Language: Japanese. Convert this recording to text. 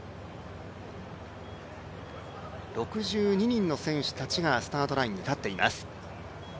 ６２人の選手たちがスタートラインに立っています。